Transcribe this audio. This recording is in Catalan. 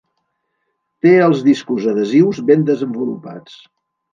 Té els discos adhesius ben desenvolupats.